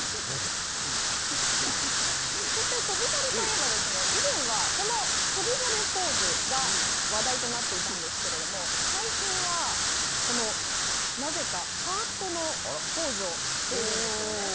そして翔猿といえば、以前はこの翔猿ポーズが話題となっていたんですけれども、最近はこのなぜかハートのポーズをしているんですよね。